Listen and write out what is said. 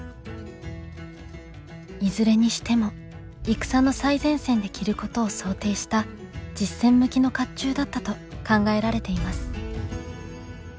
いずれにしても戦の最前線で着ることを想定した実戦向きの甲冑だったと考えられています。